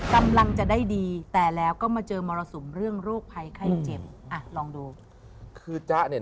กำลังจะได้ดีแต่แล้วก็มาเจอมรสุมเรื่องโรคภัยไข้เจ็บอ่ะลองดูคือจ๊ะเนี่ย